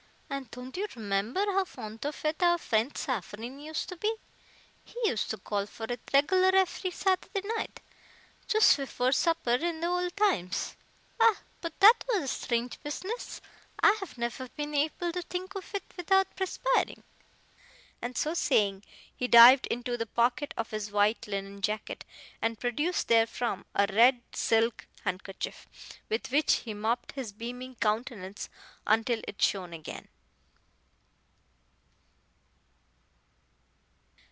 And ton't you remember how font of it our frient Safareen used to pe? He used to call for it regular efery Saturday night, schoost pefore supper in the old times. Ah, put that wass a strange peesiness. I haf never peen aple to think of it without perspiring." And so saying, he dived into the pocket of his white linen jacket, and produced therefrom a red silk handkerchief, with which he mopped his beaming countenance until it shone again.